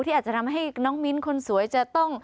อาจจะทำให้น้องมิ้นคนสวยจะต้อง